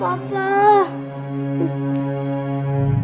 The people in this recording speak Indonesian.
jangan mati pak